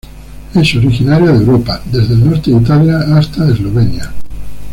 Es originaria de Europa desde el norte de Italia hasta Eslovenia.